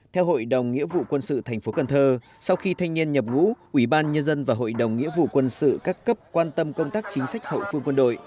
theo hội đồng nghĩa vụ quân sự tp cần thơ sau khi thanh niên nhập ngũ ủy ban nhân dân và hội đồng nghĩa vụ quân sự các cấp quan tâm công tác chính sách hậu phương quân đội